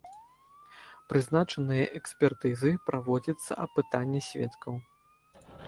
Прызначаныя экспертызы, праводзіцца апытанне сведкаў.